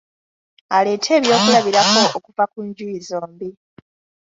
Aleete eby'okulabirako okuva ku njuyi zombi.